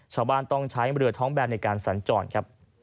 ชาวบ้านต้องใช้บริเวธท้องแบบในการสรรจร